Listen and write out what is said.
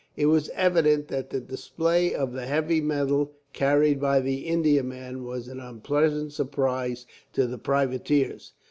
It was evident that the display of the heavy metal carried by the Indiaman was an unpleasant surprise to the privateers.